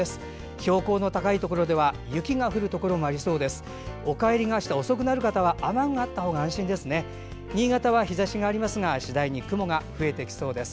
標高の高いところでは雪が降るところもありそうです。